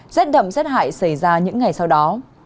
rất đậm rất hại xảy ra những ngày sau đó